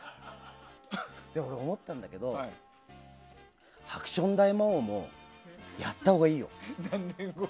俺、思ったんだけど「ハクション大魔王」もやったほうがいいよ。